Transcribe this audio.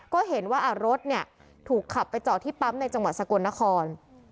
ก็เห็นว่ารถเนี่ยถูกขับไปจอดที่ปั๊มในจังหวัดสกลนคร